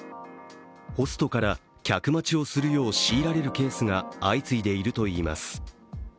ホストから客待ちをするよう強いられるケースが相次いでいるといいます。